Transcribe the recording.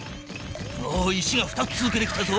おお石が２つ続けて来たぞ。